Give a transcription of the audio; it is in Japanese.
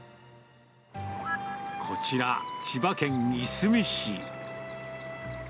こちら、千葉県いすみ市。